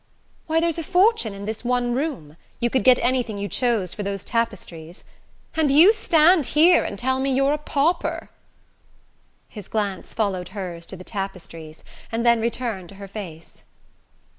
"Why, there's a fortune in this one room: you could get anything you chose for those tapestries. And you stand here and tell me you're a pauper!" His glance followed hers to the tapestries, and then returned to her face.